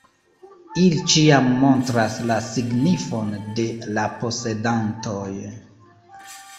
Ili ĉiam montras la signifon de la posedantoj.